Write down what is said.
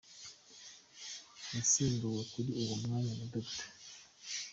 Yasimbuwe kuri uwo mwanya na Dr.